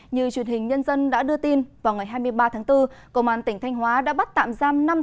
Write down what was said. như truyền hình nhân dân đã đưa tin vào ngày hai mươi ba tháng bốn công an tỉnh thanh hóa đã bắt tạm giam